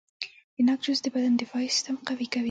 د ناک جوس د بدن دفاعي سیستم قوي کوي.